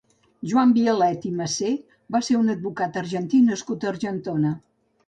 Joan Bialet i Massé va ser un advocat argentí nascut a Argentona.